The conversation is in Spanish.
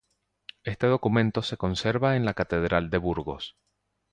Este documento se conserva en la Catedral de Burgos.